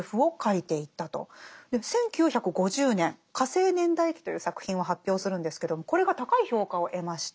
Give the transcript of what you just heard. １９５０年「火星年代記」という作品を発表するんですけどもこれが高い評価を得ました。